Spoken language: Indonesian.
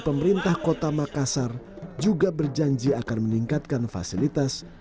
pemerintah kota makassar juga berjanji akan meningkatkan fasilitas